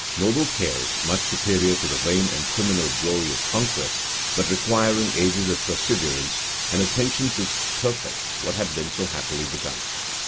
Noble cares! much superior to the vain and criminal glory of conquests; but requiring ages of perseverance and attention to perfect what had been so happily begun.